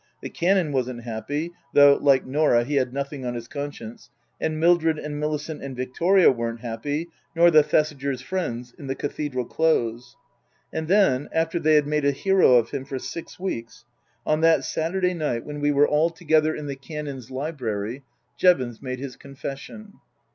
The Canon wasn't happy (though, like Norah, he had nothing on his conscience), and Mildred and Millicent and Victoria weren't happy, nor the Thesigers' friends in the Cathedral Close. And then after they had made a hero of him for six weeks on that Saturday night when we were all 334 Tasker Jevons together in the Canon's library, Jevons made his con fession.